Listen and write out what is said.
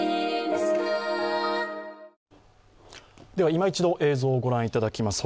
いま一度、映像を御覧いただきます。